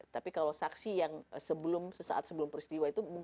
tapi kalau saksi yang sebelum sesaat sebelum peristiwa itu